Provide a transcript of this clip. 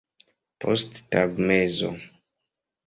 posttagmezo